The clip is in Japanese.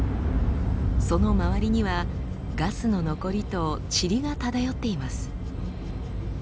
その周りにはガスの残りとチリが漂っています。